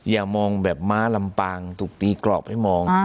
อย่ามองแบบม้าลำปางถูกตีกรอบให้มอง